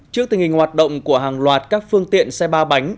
trước tình hình hoạt động của hàng loạt các phương tiện xe ba bánh